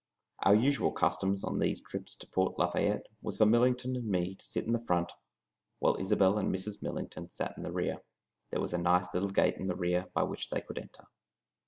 Our usual custom, on these trips to Port Lafayette, was for Millington and me to sit in front, while Isobel and Mrs. Millington sat in the rear. There was a nice little gate in the rear by which they could enter.